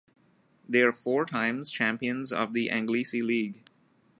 They are four times champions of the Anglesey League.